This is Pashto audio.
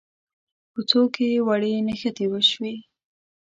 کوڅو کې وړې نښتې وشوې.